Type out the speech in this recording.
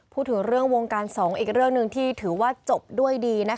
พูดถึงเรื่องวงการสงฆ์อีกเรื่องหนึ่งที่ถือว่าจบด้วยดีนะคะ